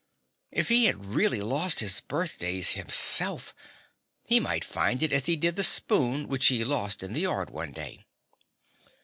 If he had really lost his birthdays himself, he might find it as he did the spoon which he lost in the yard one day.